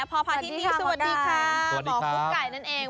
พอพาทินีสวัสดีค่ะหมอกุ๊กไก่นั่นเอง